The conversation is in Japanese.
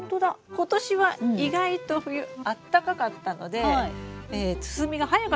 今年は意外と冬あったかかったので進みが速かったと思います。